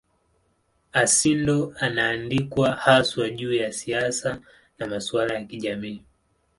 Alcindor anaandikwa haswa juu ya siasa na masuala ya kijamii.